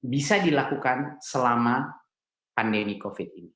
bisa dilakukan selama pandemi covid sembilan belas